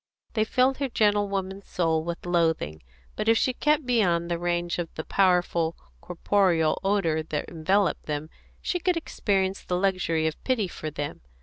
They filled her gentlewoman's soul with loathing; but if she kept beyond the range of the powerful corporeal odour that enveloped them, she could experience the luxury of pity for them.